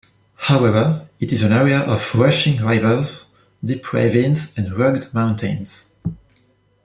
However, it is an area of rushing rivers, deep ravines and rugged mountains.